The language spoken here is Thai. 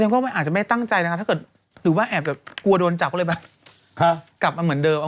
ก็อาจจะไม่ตั้งใจนะครับหรือว่าแอบกลัวโดนจับก็เลยกลับเหมือนเดิม